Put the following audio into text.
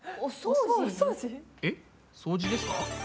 えっ？掃除ですか？